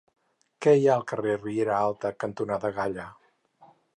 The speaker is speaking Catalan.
Què hi ha al carrer Riera Alta cantonada Galla?